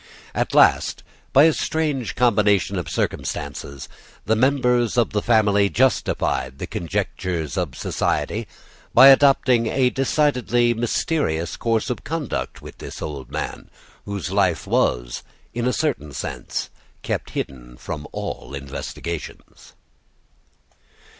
At last, by a strange combination of circumstances, the members of that family justified the conjectures of society by adopting a decidedly mysterious course of conduct with this old man, whose life was, in a certain sense, kept hidden from all investigations.